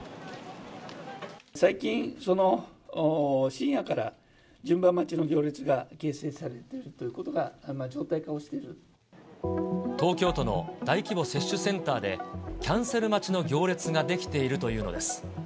最近、深夜から順番待ちの行列が形成されているということが常態化をし東京都の大規模接種センターで、キャンセル待ちの行列が出来ているというのです。